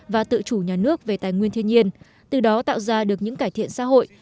và tự chủ nhà nước về tài nguyên thiên nhiên từ đó tạo ra được những cải thiện xã hội